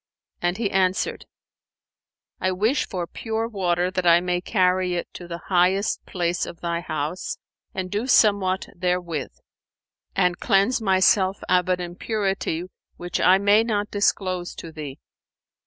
and he answered, "I wish for pure water that I may carry it to the highest place of thy house and do somewhat therewith and cleanse myself of an impurity, which I may not disclose to thee."